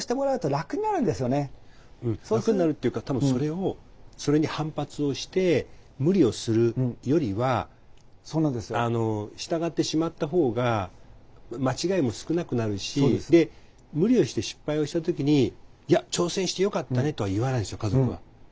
楽になるっていうか多分それに反発をして無理をするよりは従ってしまった方が間違いも少なくなるしで無理をして失敗をした時に「いや挑戦してよかったね」とは言わないですよ家族は。